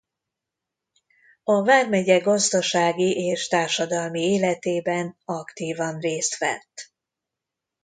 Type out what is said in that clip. A vármegye gazdasági és társadalmi életében aktívan részt vett.